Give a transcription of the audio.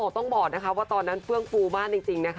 ต้องบอกว่าตอนนั้นเบื้องฟูมากจริง